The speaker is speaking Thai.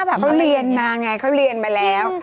เขาเรียนมาไงเขาเรียนมาแล้ว